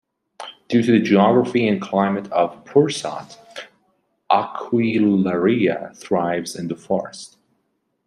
Due to the geography and climate of Pursat, "Aquilaria" thrives in the forest.